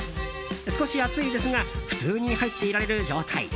少し熱いですが普通に入っていられる状態。